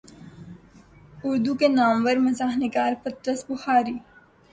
اردو کے نامور مزاح نگار پطرس بخاری